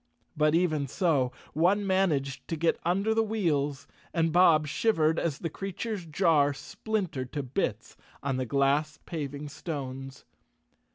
But even so, one managed to get under the wheels and Bob shivered as the crea¬ ture's jar splintered to bits on the glass paving stones.